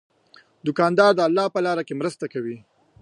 دوکاندار د الله په لاره کې مرسته کوي.